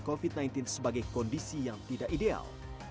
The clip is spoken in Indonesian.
covid sembilan belas sebagai kondisi yang tidak ideal